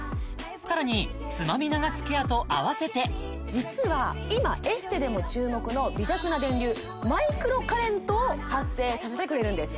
さらにつまみ流すケアと併せて実は今エステでも注目の微弱な電流マイクロカレントを発生させてくれるんです